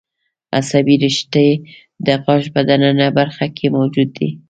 عصبي رشتې د غاښ په د ننه برخه کې موجود دي.